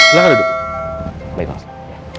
jane pernah cerita soal kamu